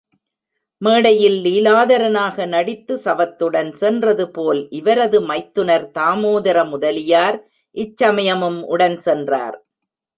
மேடையில் லீலாதரனாக நடித்து சவத்துடன் சென்றது போல், இவரது மைத்துனர் தாமோதர முதலியார், இச்சமயமும் உடன் சென்றனர்.